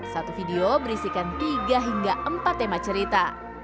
satu video berisikan tiga hingga empat tema cerita